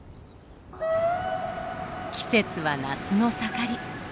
季節は夏の盛り。